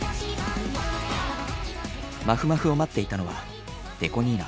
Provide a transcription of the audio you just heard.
まふまふを待っていたのはＤＥＣＯ２７。